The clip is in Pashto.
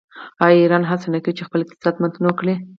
آیا ایران هڅه نه کوي چې خپل اقتصاد متنوع کړي؟